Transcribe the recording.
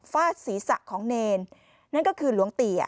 ฟาสีสะของเณร